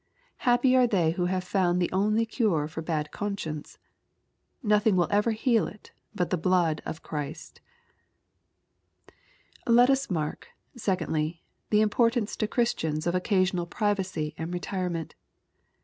Happy are they who have found the only cure for a bad con science ! Nothing will ever heal it but the blood of Christ, Let us mark, secondly, the importance to Christiana of occasional privacy and retirement.